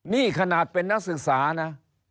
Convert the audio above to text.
นี่ขนาดเป็นนักศึกษานะ